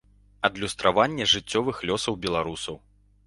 Адлюстраванне жыццёвых лёсаў беларусаў.